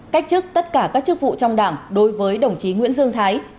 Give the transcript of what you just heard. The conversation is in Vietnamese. cách chức tất cả các chức vụ trong đảng đối với đồng chí nguyễn dương thái